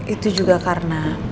itu juga karena